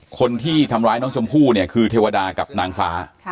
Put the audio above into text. คนที่ทำร้ายน้องชมพู่เนี่ยคือเทวดากับนางฟ้า